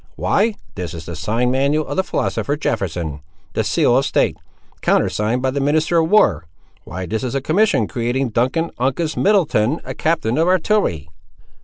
"Why, this is the sign manual of the philosopher, Jefferson! The seal of state! Countersigned by the minister of war! Why this is a commission creating Duncan Uncas Middleton a captain of artillery!"